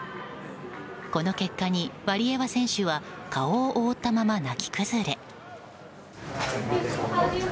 この結果に、ワリエワ選手は顔を覆ったまま泣き崩れ。